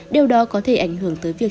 điều đó có thể ảnh hưởng tới việc